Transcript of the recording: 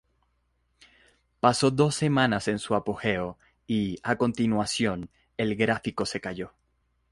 Pasó dos semanas en su apogeo y, a continuación, el gráfico se cayó.